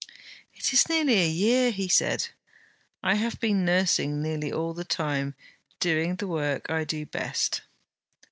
'It is nearly a year!' he said. 'I have been nursing nearly all the time, doing the work I do best.'